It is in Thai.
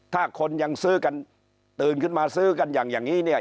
ถ้าคนยังซื้อกันตื่นขึ้นมาซื้อกันอย่างนี้เนี่ย